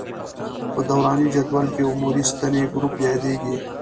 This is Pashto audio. په دوراني جدول کې عمودي ستنې ګروپ یادیږي.